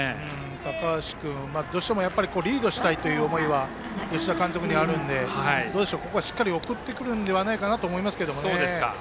高橋君のところですがどうしてもリードしたいという思いが吉田監督にあるのでここは送ってくるのではないかなと思いますけどね。